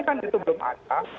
kan itu belum ada